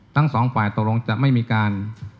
ทั้งสองฝ่ายตกลงจะไม่มีการ